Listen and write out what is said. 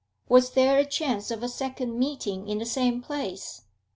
Was there a chance of a second meeting in the same place?